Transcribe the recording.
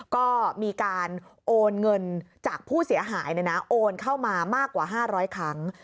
ก็มีการโอนเงินจากผู้เสียหายโอนเข้ามามากกว่า๕๐๐ครั้ง